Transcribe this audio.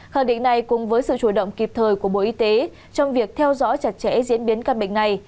khẳng định này cùng với sự chủ động kịp thời của bộ y tế trong việc theo dõi chặt chẽ diễn biến căn bệnh này